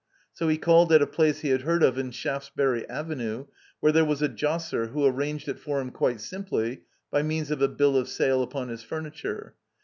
So he called at a place he had heard of in Shaftesbury Avenue, where there was a '*josser'* who arranged it for him quite simply by means of a bill of sale upon his furniture.